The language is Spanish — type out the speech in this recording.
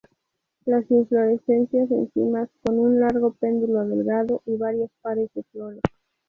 Las inflorescencias en cimas con un largo pedúnculo delgado y varios pares de flores.